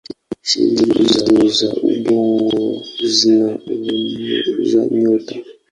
Seli hizO za ubongo zina umbo la nyota.